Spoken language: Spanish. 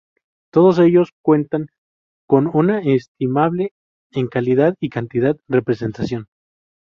Todos ellos cuentan con una estimable, en calidad y cantidad, representación.